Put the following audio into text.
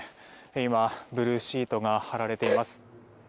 今、ブルーシートが張られています。